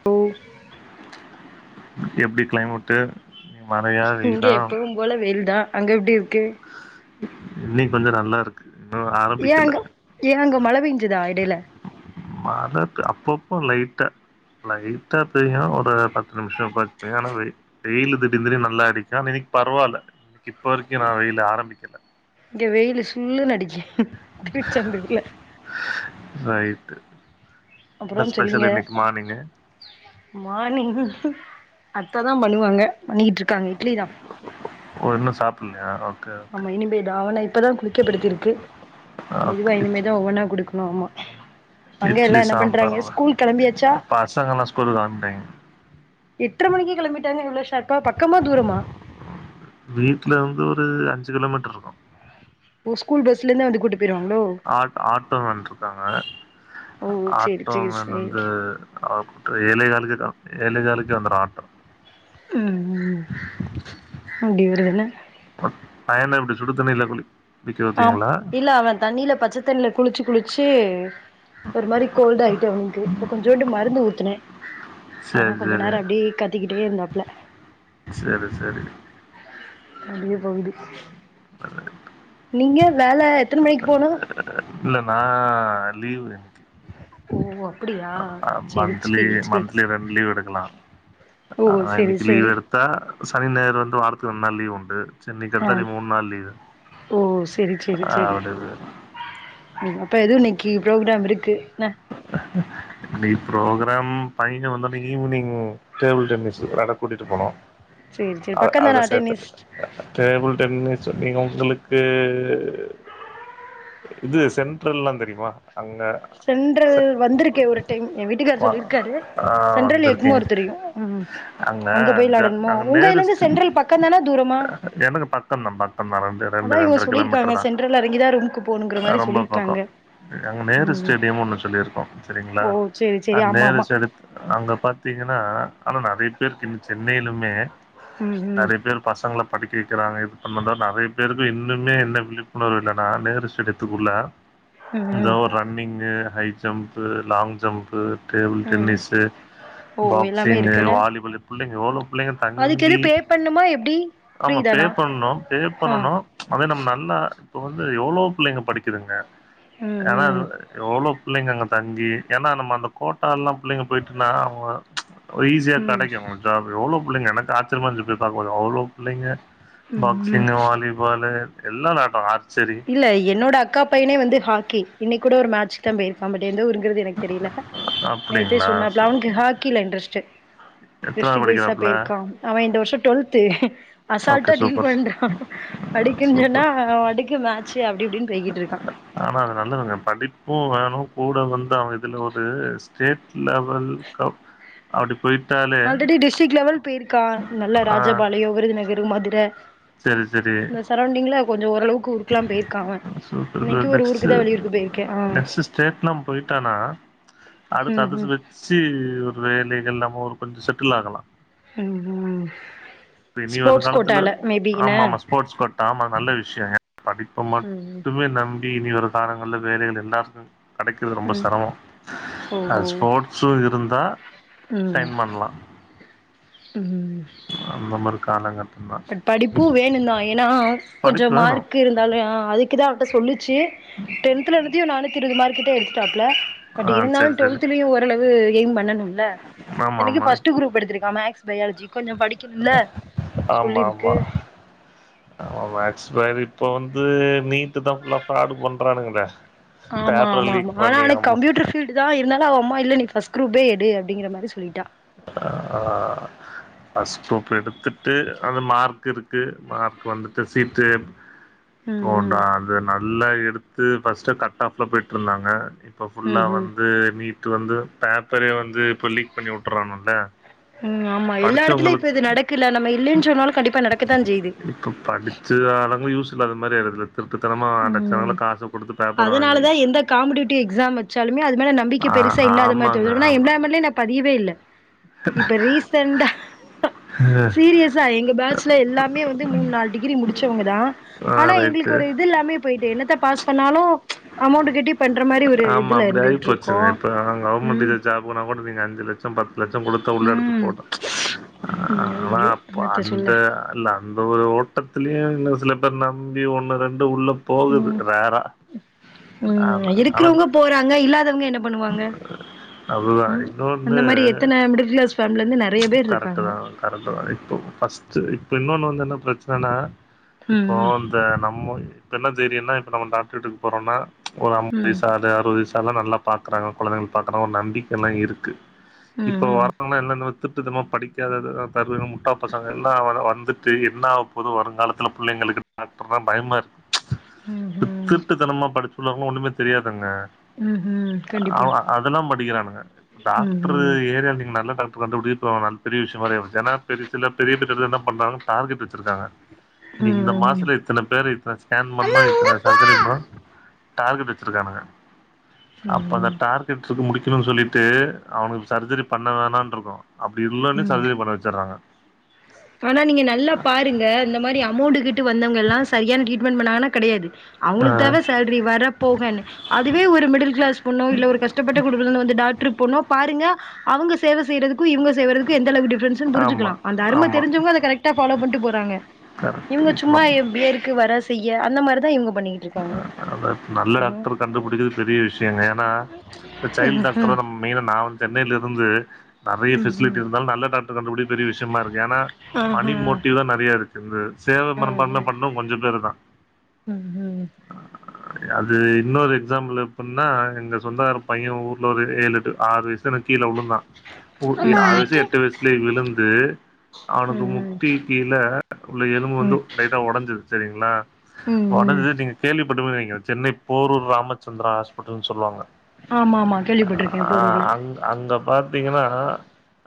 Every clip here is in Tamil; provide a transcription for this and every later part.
[unintelligible] எப்டி கிளைமட்டு மழையா இங்க எப்பவு போல வெயில் தா அங்க எப்டி இருக்கு இன்னைக் கொஞ்சோ நல்லா இருக் ஏ அங்க ஏ அங்க மழை பேஞ்சுதா எடைல மாலத் அப்பப்போ லைட்டா லைட்டா பெய்யு ஒரு பத்து நிமிஷோ பத் ஆனா வெய் வெயிலு திடீந்திடி நல்லா அடிக்கு ஆனா இன்னிக் பரவால்ல இப்ப வரைக்கு நா வெயில் ஆரம்பிக்கல இங்க வெயிலு சுல்லுனு அடிக்கி திருச்செந்தூர்ல ரைட்டு என்ன ஸ்பெஷல் இன்னைக்கு மானிங்கு மானிங் அத்தெதா பண்ணுவாங்க பண்ணிக்கிட்ருக்காங்க இட்லிதா ஒன்னு சாப் நே ஓகே ஓகே ஆமா இனிமே தான் அவன ஆமா இப்பதான் குளிக்கப்படுத்திருக்கு ஓகே மெதுவா இட் இனிமேதான் ஒவ்வொன்னா குடுக்கணு ஆமா அங்க எல்லா இட்லி என்ன பண்றாங்க சாம்பாருங்களா ஸ்கூல் கிளம்பியாச்சா பசங்கல்லா ஸ்கூலுக்கு கெளம்பிட்டாய்ங்க எட்ற மணிக்கே கிளம்பிட்டாங்க இவ்ளோ ஷார்பா பக்கமா தூரமா வீட்ல வந்து ஒரு அஞ்சு கிலோமீட்டர் இருக்கும் ஸ்கூல் பஸ்லேந்து வந்து கூட்டு பொய்ருவாங்ளோ ஆட் ஆட்டோமேன் ருக்காங்க ஓ சேரி சேரி ஆட்டோமேன் வந்து சேரி அவுங்க ஏழே ஹாலுக்கே ஏழே ஹாலுக்கே வந்துரும் ஆட்டோ ம் அப்டி ஒரு பயன இப்டி ஸூடு தண்ணில குழிக் ஆம் இல்ல அவன் தண்ணில பச்சத்தண்ல குளிச்சு குளிச்சீ ஒரு மாரி கோல்ட் ஆயிட்டு அவனுக்கு இப்ப கொஞ்சோண்டு மருந்து ஊத்துனே ஆனா சரி கொஞ்ச சரி நேரம் அப்டீ கத்திகிட்டே இருந்தாப்ல சரி சரி அப்டியே போகுது [inaudible] நீங்க வேல எத்தன மணிக்கு போணு இல்ல நா லீவு ஓ அப்டியா செரி மந்த்லி செரி செரி மந்த்லி ரெண்டு லீவு எடுக்கலாம் ஓ ஆ செரி இன்னைக்கு லீவ் செரி எடுத்தா ஸனி ஞாயிறு வந்து வாரத்துக்கு ரன்டு நாள் லீவ் உண்டு சென்னைக்கு ஆ அடுத்த அடி மூண் நாள் லீவு ஓ செரி செரி செரி [unintelligible] அப்ப எது இன்னெக்கி புரோக்ராம் இருக்கு ன இன்னிக்கு ப்ரோக்ராம் பையன வந்தோன ஈவ்னிங் டேபிள் டென்னிஸ் வெளாட கூட்டிட்டு போனோ செரி செரி அ அதுல பக்கந்தானா சேர்த்துரு அட்டென்னிஸ் டேபிள் டென்னிஸ் நீங்க ஒங்களுக்கு இது சென்ட்ரல்லா தெரிமா அங்க சென்ட்ரு ச வந்துருக்கே ஒரு டைம் எ வீட்டுக்காரு வா சொல்லிருக்காரு ஆ சென்ட்ரல் வந்திருக்கீங்க எக்மோர் தெரியு ம் அங்க போய் ஜ வெளாடணுமோ அங்க ஒங்க நேரு இதுலந்து ஸ்ட்ரீட் சென்ட்ரல் பக்கொ தானா தூரமா எனக்கு பக்கந்தா பக்கந்தா ரெண்டு ரெண்டு அதா இவுங்க ரெண்டர சொல்லிர்க்காங்க கிலோமீட்டர் தா சென்ட்ரல் எறங்கி தா ரூம்க்கு போணுங்ற மாரி ரொம்ப பக்கோ சொல்லிர்க்காங்க அங்க நேரு ஸ்டேடியம் ஒன்னு சொல்லிருக்கோ‌ செரிங்களா ஓ சேரி அ சேரி ஆமா நேரு ஆமா அங்க பாத்தீங்கன்னா ஆனா நறைய பேருக்கு இன்னு சென்னையிலுமே ம் ம் நறைய பேர் பசங்ள படிக்க வக்கிறாங்க இது பண்ண நறைய பேருக்கு இன்னுமே என்ன விழிப்புணர்வு இல்லனா நேரு ஸ்டேடிய த்துக்குள்ள இந்த ம் ஒ running high jump long jump table ம் ம் டென்னிஸ்ஸு ஓ எல்லாமே பாக்சிங்கு இருக்குன்ன வாலிபாலு புள்ளைங்க எவ்ளோ புள்ளைங்க அதுக்கு எது தங்கி பே பண்ணுமா எப்டி ஃப்ரீ ஆமா பே தானா பண்ணனு பே ஆ பண்ணனு அதே நம்ம நல்லா இப்ப வந்து எவ்ளோ‌ புள்ளைங்க படிக்குதுங்க அதா ம் எவ்ளோ புள்ளைங்க அங்க தங்கி ஏனா நம்ம அந்த கோட்டால்லா புள்ளைங்க போயிட்டுன்னா அவுங்க ஈஸியா ம் கெடைக்கு அவுங்களுக்கு ஜாப்பு எவ்ளோ புள்ளைங்க எனக்கு ஆச்சரியமாருந்துச்சு போய் பாக்குபோது அவ்ளோ புள்ளைங்க ம் ம் பாக்சிங்கு வாலிபாலு எல்லா வெளயாட்டு ஆர்ச்சரி இல்ல என்னோட அக்கா பையனே வந்து ஹாக்கி இன்னக்கி கூட ஒரு மேட்ச் தா போயிருக்கா பட் எந்த ஊருங்றது எனக்கு தெரில நேத்தே அப்டிங்களா சூ சொன்னாப்ல அவனுக்கு ஹாக்கில இன்ட்ரெஸ்ட்டு எத்தனாவது டிஸ்ரிக்ட் வைஸா படிக்கிறாப்புல போயிருக்கா அவே இந்த வர்ஷோ டுவெல்த்து ஓகே அசால்டா டீல் சூப்பர் பண்றா சூப்பர் படிக்குன்சொன்னா அவேபாட்டுக்கு மேட்சு அப்டி இப்டின் போய்கிட்ருக்கா ஆனா அது நல்லதுங்க படிப்பு வேணு கூட வந்து அவே இதுல‌ ஒரு ஸ்டேட் லெவல் கப் அப்டி போயிட்டா ஆல்ரெடி டிஸ்ட்ரிக் லெவல் போயிருக்கா நல்ல ஆ ராஜபாளயோ விருதுநகர் மதுர செரி செரி இந்த சரௌண்டிங்ல கொஞ்சோ ஓரளவுக்கு ஊருக்ல்லா போயிருக்கா அவே சூப்பர் நெக்ஸ்ட்டு நெக்ஸ்ட்டு ஸ்டேட்லா போய்ட்டானா அடுத்து ம் அத ம் வச்சு ஒரு வேலைகள் நம்ம ஒரு கொஞ்சோ செட்டில் ஆகலா ம் ஹும்‌ ஸ்போர்ட்ஸ் கோட்டால மேபி என்ன ஆமாமா ஸ்போர்ட்ஸ் கோட்டா ஆமா நல்ல விஷ்யோ படிப்ப ம் ம் மட்டுமே நம் பி இனி வரு காலங்கள்ல வேலைகள் எல்லாருக்கு கடைக்கிறது ரொம்ப ம் செரமோ ஓ ஓ அது ஸ்போர்ட்ஸு இருந்தா ம் சைன் பண்லா ம் அந்த மார் காலங்கள் பட் படிப்பு வேணு தா ஏனா கொஞ்சோ படிப்பு வேணு மார்க் இரு ந்தாலு அதுக்குதா அவர்ட்ட சொல்லுச்சு டென்த்ல என்னத்தியோ நானூத்தி இருவது மார்க் கிட்ட எடுத்துட்டாப்ல பட் ஆ சரி இருந்தாலு சரி டுவெல்த்லயு ஓரளவு எய்ம் பண்ணணும்ல ஆமா இத்தனைக்கு ஆமா ஃபர்ஸ்ட்டு குரூப் எடுத்திருக்கா மேக்ஸ் பயாலஜி கொஞ்சோ படிக்கணுல்ல ஆமாமா ஆமா மேக்ஸ் பயா இப்ப வந்து நீ ட்த்தா ஃபுல்லா ஃபிராடு பண்றானுங்களே ஆமா பேப்பர ஆமா லீக் ஆமா ஆனா பண்ணி அவனுக்கு ஆமா [unintelligible] தா இருந்தாலு அவ அம்மா இல்ல நீ ஃபர்ஸ்ட் குரூப்பே எடு அப்டிங்கிற மாரி சொல்லிட்டா ஆ ஃபர்ஸ்ட் குரூப் எடுத்துட்டு அது மார்க்குருக்கு மார்க் வந்துட்டு சீட்டு ம் ம் போண்டா அது நல்லா எடுத்து ஃபர்ஸ்ட் கட் ஆப்ல போயிட்டு இருந்தாங்க இப்போ ம் ஃபுல்லாக ம் வந்து நீட்டு வந்து பேப்பரே வந்து இப்போ லீக் பண்ணி உட்றானுவுள்ள ம் ஆமா எல்ல எடத்துலயு இப்ப இது நடக்குல்ல நம்ம இல்லைன் சொன்னாலு கண்டிப்பா நடக்கத்தா செய்து இப்போ படிச் சிதாங்களு யூஸ்ல்லாத மாரி ஆயிடுது ம் வாங்கி அதுனாலதா எந்த காம்பிடேட்டிவ் எக்ஸாம் வெச்சாலுமே அது மேல நம்பிக் கை ஆ பெருசா இல்லாத மாரி ஆமாங்க தோணுது எப்டினா ஆமாங்க எம்ப்ளாய்மெண்ட்ல பதியேவே இல்ல இப்ப ரீசன்டா சீரியஸா எங்க பேட்சல எல்லாமே வந்து மூணு நாலு டிகிரி முடிச்சவங்க தா அ ரைட்டு இல்லாமே போயிட்டு என்னத்த பாஸ் பண்ணாலு அமௌண்ட் கட்டி பண்ற மாரி ஒரு ஆமா இதுல அப்டி இருந்துகிட்டுருக்கோ ம் போனா கூட நீங்க அஞ்சு லட்சோ பத் லட்சோ குடுத்தா உள்ள எடுத்து ம் போட்டா ஐயோ ஆனா ஐயோ அப்ப என்னத்த அந்த சொல்ல இல்ல அதந்த ஒரு ஓட்டத்திலியு இன்னு சில பேர் நம்பி ஒண்ணு ரெண்டு உள்ள போகுது ம் ரேரா ஆனா இருக்குறவங்க போறாங்க இல்லாதவங்க என்ன பண்ணுவாங்க அதுதா ம் இன்னொன்னு அந்த மாரி எத்தன மிடில் கிளாஸ் பேஃம்லருந்து நறைய பேர்ருக்காங்க கரேக்ட்டு தா இப்போ ஃபர்ஸ்ட் இப்போ இன்னொன்னு வந்து என்ன பிரச்சனன்னா இப்போ ம் நம்ம இப்ப என்ன தெரியும்னா இப்ப நம்மோ என்ன தைரியோன்னா நம்ம டாக்டர் வீட்டுக்கு போறோன்னா ஒரு அம் ம் [inaudible] சா இந்த அறுவதுவைசானவங்க நல்லா பாக்கறாங்க கொழந்தைங்க பாக்கற ஒரு நம்பிக்கெல்லா இருக்கு ம் இப்போ ம் ம் வரத்தவங்கள்லா என்னான்னா திட்டு தனமோ படிக்காதத்தலா தருதல முட்டா பசங்க எல்லா வதா வந்துட் ட்டு என்னாவப்போதோ வருங்காலத்துல புள்ளைங்களுக்கு டாக்டர்னா பயமாருக்கு ம் ம் திருட்டுத்தனமா படிப்புள்ளவங்க ஒன்னுமே தெரியாதங்க ம் ம் கண்டிப்பா அதெல்லா படிக்கிறானுங்க டாக்ட்ரு ம்ஹும் ஏரியா நீங்க நல்ல டாக் ட்ரு கண்டுப்புடிகிறது இப்போ வந் பெரிய விஷயமாயிருச்சு ஏனா பெரு சில பெரிய [unintelligible] பண்றாங்க டார்கெட் வெச்சிருக்காங்க நீ ம் இந்த ம் மாசத்துல இத்தன பேர இத்தன ஸ்கேன் பண்ணா இத்தன அது தெரியுமா டார்கெட் வச்சிருக்கானுங்க அப்ப ம் அந்த ம் டார்கெட்ஸ் சொல்ட் முடிக்கணுன்னு சொல்லிட்டு அவுனுக்கு சர்ஜரி பண்ண வேணான்ட்ருக்கு அப்படி இல்லைன்னே ம் சர்ஜரி பண்ண வச்சட்றாங்க ஆனா நீங்க நல்லா பாரு இங்க இந்த மாரி அமௌண்ட் கிட்டு வந்தவங்க எல்லா சரியான ட்ரீட்மெண்ட் பண்ணாங்கன்னா கெடையாது ஆ அவங்களுக்கு தேவ சேல் இப்டி வர போகன்னு அதுவே ஒரு மிடில் கிளாஸ் பொண்ணோ இல்ல ஒரு கஷ்டப்பட்ட குடும்பதுலந்து வந்து டாக்டருக்கு பொண்ணோ பாருங்க அவங்க சேவ செய்யறதுக்கு இவங்க செய்றதுக்கு எந்தளவு டிஃப்ரென்ஸ் ஸன் ஆமா புரி்சுக்கலா அந்த அரும ஆமா தெரிஞ்சவங்க அத கரெக்டா பாலோ பண்ட்டு போறாங்க கரெக்ட் இவுங்க சும்மா இப்ப பேருக்கு வர செய்ய அந்த மாரிதா இவங்க பண்ணிட்டு அ அதா நல்ல டாக்டர் கண்டுபுடிக்கிறது பெரிய விஷயோங்க ஏனா இப்ப சைல்ட் டாக்டர் தா நம் மெயினா சென்னையிலருந்து நறைய ம்ஹ்ம். பெசிலிட்டி இருந்தாலு நல்ல டாக்டர் கண்டுபுடிக்கிறது பெரிய விஷயமாருக்கு ஏனா மணி ஆஹா. மோட்டிவ் தா நறையாருக்கு இந்த சேவ ம் மனம்பான்ம ம் பண்ணு கொஞ்சோ பேரு தா ம் ம் உஹ அது இன்னொரு எக்ஸாம்பிள் எப்பன்னா எங்க சொந்தக்கார பையே ஊர்ல ஒரு ஏழு எட்டு ஆறு வயசு பட்டுனு கீழ விழுந்தான் ம் ஆறு வயசு எட்டு வயசுலே விழுந்து அவனுக்கு ம் முட்டி கீழ உள்ள எலும்பு வந்து ம் லை ட்டா உடஞ்சது சரிங்ளா ம் ம் உடஞ்சு நீங்க பட்டு வைங்க சென்னை போரூர் ராமச்சந்தர ஹாஸ்பிட்டல்னு சொல்லுவாங்க ஆமா ஆமா கேள்விப்பட்ருக்கே ஆ போரூர்ல அங் அங்க பாத்தீங்கனா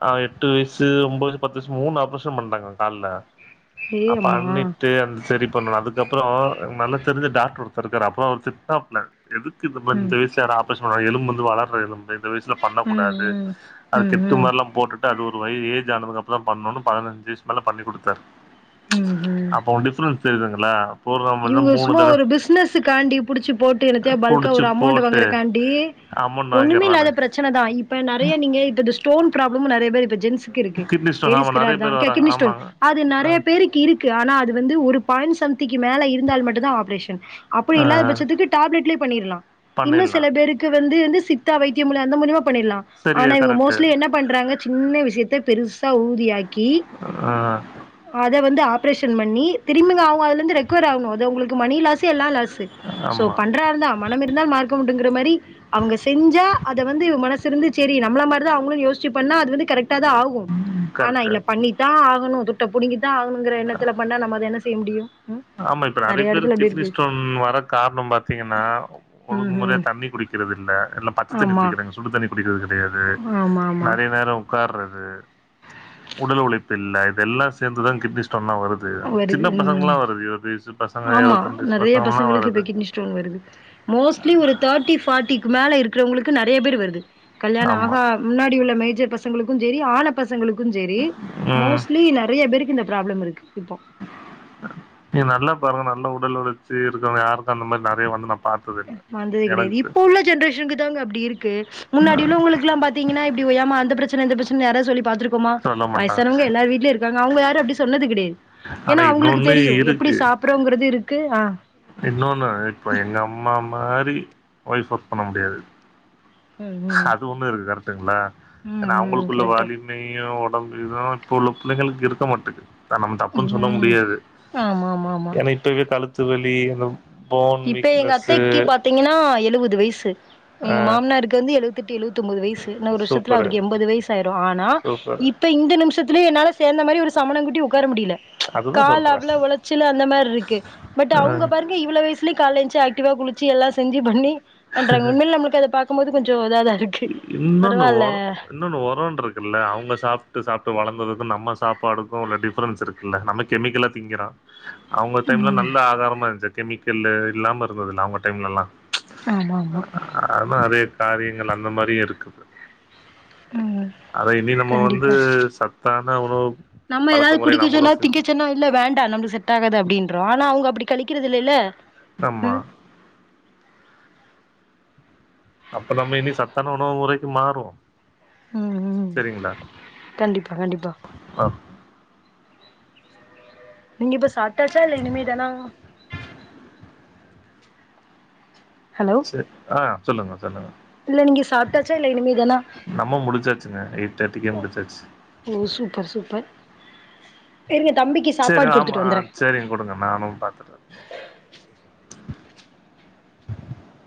ஆ எட்டு வயசு ஒம்போது பத்து வயசு மூணு ஆப்ரேஷன் பண்டாங்க கால்ல ஏ அப்ப அம்மா அண்ணிட்டு அந்த செரி பண்ணணு அதுக்கப்பறோ நல்லா தெரிஞ்ச டாக் டர் ஒருத்தர் இருக்காரு அப்றோ அவரு திட்னார்பில எதுக்கு இந்த மாரி ம் இந்த விஷய எலும்பு வந்து வளர்ர எலும்பு இந்த வயசுல ம் பண்ணக்கூடாது ம் அது ம் கெட்டு ம் மாரில்லா போட்டு அது ஒரு வய ஏஜ் ஆனதுக்கு அப்றோ பண்ணு பதினஞ்சு வயசு மேலே பண்ணி குடுத்தாரு ம் ம் அப்போ டிஃபரன்ஸ் தெரிதுங்ளா இவங்க சும்மா ஒரு பிசினஸ் காண்டி புடிச்சி போட்டு என்னத்தையோ பல்கா புடிச்சு ஒரு அமௌண்ட் போட்டு வாங்கறக்காண்டி அமௌண்ட் ஒண்ணுமே இல்லாத வாங்கிறானுங்க பிரச் சன தா இப்ப நறைய நீங்க இப்ப இந்த ஸ்டோன் ப்ராபளமு நறைய பேர் இப்ப ஜென்ஸ் இருக்கு கிட்னி [unintelligible] ஸ்டோன் ஆமா நெறைய பேர் வராங்க கெகினி ஸ்டோன் ஆமாங்க அது ஆ நறைய பேருக்கு இருக்கு ஆனா அது வந்து ஒரு பாயிண்ட் சம்திங் மேல இருந்தால் மட்டு தா ஆப்ரேஷன் அப்டி ஆ இல்லாத பட்சத்துக்கு டேப்லெட்லே பண்ணிர்லா இன்னு பண்ணிடலா சில பேருக்கு வந்து வந்து சித்தா வைத்திய மூல அந்த மூலிமா பண்ணிர்லா சரி ஆனா இவங்க கரெக்ட்டு மோஸ்ட்லி என்ன பண்றாங்க சின்ன விஷயத்த பெருசா ஊதியாக்கி ஆ அத வந்து ஆப்ரேஷன் பண்ணி திரும்பிங்க அவங்க அதுல இருந்து ரெக்கவர் ஆகணு அது உங்ளுக்கு மணி லாஸு எல்லா லாஸு சோ ஆமா பண்றா இருந்தா மனம் இருந்தால் மார்கமுண்டுங்கிற மாரி அவுங்க செஞ்சா அத வந்து மனசு இருந்து செரி நம்மள மாரி அவங்களு யோசிச்சு பண்ண அது வந்து கரெக்டா தா ஆகு ஆனா கரெக்ட்டு இல்ல பண்ணித்தா ஆகணு துட்ட புடுங்கிதா ஆகணுங்கிற எண்ணத்துல பண்ணா நம்ம அத என்ன செய்ய முடியு ஆமா இப்ப நறைய பேருக் கிட்னி ஸ்டோன் வர காரணம் பாத்தீங்கனா ம் ஒழுங்கு முறையா ம் தண்ணி குடிக்கிறது இல்ல எல்லாம் பச்ச தண்ணி ஆமா குடிக்கிறாங்க சுடு தண்ணி குடிக்கிறது கெடையாது ஆமா ஆமா நறைய நேரோ உட்கார்றது உடல் உழைப்பு இல்ல இதெல்லா சேர்ந்து தா கிட்னி ஸ்டோன்லா வருது வருது சின்ன பசங்ளா ம் ஆமா நறைய பசங்கலாம் பசங்களுக்கு இப்ப வருது. கிட்னி ஸ்டோன் வருது மோஸ்ட்லி ஒரு தேர்ட்டி ஃபார்ட்டிக்கு மேல இருக்கறவங்களுக்கு நஜறைய பேர் வருது கல்யாண ஆமா. ஆகா முன்னாடி உள்ள மேஜர் பசங்களுக்கு செரி ஆன பசங்களுக்கு செரி ம். மோஸ்ட்லி நறைய பேருக்கு இந்த ப்ராப்ளம் இருக்கு இப்போ நீ நல்லா பாருங்க நல்லா உடல் உழச்சி இருக்கங்க யாருக்கு அந்த மாரி நறைய வந்து ந வந்தது கெடையாது இப்ப உள்ள ஜென்ரேஷனுக்கு தாங்க அப்டி இருக்கு முன்னாடி உள்ள உங்களுக்கு பாத்தீங்கனா இப்டி ஏமா அந்த பிரச்சன இந்த பிரச்சன யார சொல்லி பாத் ருக்கோமா சொல்ல வயசானவங்க மாட்டாங்க. எல்லார் வீ்ட்லயு இருக்காங்க அவுங்க யாரு அப்டி சொன்னது கெடையாது ஆனா ஏன்னா அவங்களுக்கு இன்னொன்னு தெரியு எப்டி இருக்கு. சாப்பறோங்கறது இருக்கு ஆ இன்னொன்னு இப்போ எங்க அம்மா மாரி ஒய்ஃப் ஒர்க் பண்ண முடியாது ம், ம். அது ஒண்ணு இருக்கு கரெக்டுங்ளா ம், ஏன்னா ம். அவுங்களுக்குள்ள கரெக்ட்டா. வலி மையு உடம்பு இது இப்ப உள்ள புள்ளைங்களுக்கு இருக்க மாட்டுக்கு நம்ம தப்புன்னு சொல்ல ம் முடியாது ஆமா ஆமா ஆமா ஏன்னா இப்பவே கழுத்து வலி போன் இப்ப எங்க வீக்னஸ்ஸு அத்தைக்கி பாத்தீங்கன்னா எழுவது வயசு ஆ எங்க மாமனாருக்கு வந்து எழுபது தெட்டு எழுவத்தொம்போது வய்சு இன்னு ஒரு வருஷத்ல சூப்பரு அவுருக்கு எம்பது வய்சு ஆயிரு ஆனா சூப்பரு இப்ப இந்த நிம்ஷ திலே என்னால சேந்த மாரி ஒரு சம்மணங் குட்டி உக்கார முடில. அதுதா கால் சொல்றே அவ்ளோ உளைச்சலு அந்த மார்ருக்கு பட் ஆ அவுங்க பாருங்க இவ்ள வய்ஸ் லி கால்ல எஞ்சி ஆக்டிவா குளிச்சி எல்லா செஞ்சி பண்ணி பண்றாங்க. உண்மைல் நம்மளுக்கு அத பாக்கும் போது கொஞ்சோ இதாதாருக் இ இன்னொன்னு வரோ இன்னொன்னு வரோன்ருக்குல்ல அவுங்க சாப்ட்டு சாப்ட்டு வளந்ததுக்கு நம்ம சாப்பாடுக்கு உள்ள டிஃப்ரென்ஸ் இரு குல்ல நம்ம கெமிக்கலா திங்கறோ. அவுங்க டைம்ல ம் நல்ல ஆகாரமா இருஞ்ச்சு கெமிக்கல்லு இல்லாம இருந்துதுல்ல அவுங்க டைம்லல்லா. ஆமா ஆமா. ஆ நறைய காரியங்கள் அந்த மாரியு இருக்குது. ம். அத இனி நம்ம வந்து கண்டிப்பா சத்தான உணவு நம்ம பழக்க எதாவது முறை குடிக்க நம்மளு சொன்னா செ திங்கச்சொன்ன இல்ல வேண்டா நம்ளு செட் டாகாது அப்டின்ருவோ ஆனா அவுங்க அப்டி கழிக்கிறது இல்லில்ல. ஆம்மா. அப்ப நம்ம இனி சத்தான உணவு முறைக்கு மாறுவோ. ம் ம் சரிங்களா கண்டிப்பா கண்டிப்பா. ஆ நீங்க இப்ப சாப்டாச்சா இல்ல இனிமே தானா. ஹலோ? ஆ சொல்லுங்க சொல்லுங்க. இல்ல நீங்க சாப்டாச்சா இல்ல இனிமேதானா? நம்ம முடிச்சாச்சுங்க எயிட் தேர்ட்டிக்கே ம் முடிச்சாச்சு ஓ சூப்பர் சூப்பர் இருங்க தம்பிக்கி செரி ஆமா செரிங் குடுங்க நானு பாத்துட்டு வர்